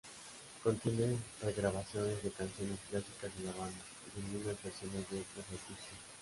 Contiene regrabaciones de canciones clásicas de la banda y algunas versiones de otros artistas.